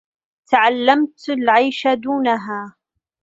تعلّمتُ العيش دونها.